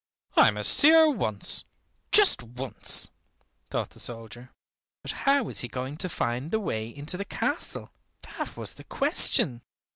"I must see her once, just once," thought the soldier. But how was he going to find the way into the castle, that was the question?